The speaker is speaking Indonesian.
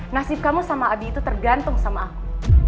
nasib kamu sama abi itu tergantung sama aku